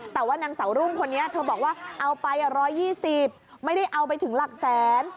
แต่ว่านางสาวรุ่งคนนี้เธอบอกว่าเอาไป๑๒๐ไม่ได้เอาไปถึงหลักแสน